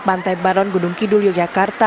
pantai baron gunung kidul yogyakarta